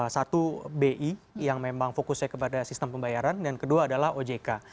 satu bi yang memang fokusnya kepada sistem pembayaran dan kedua adalah ojk